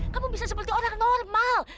kamu bisa seperti orang normal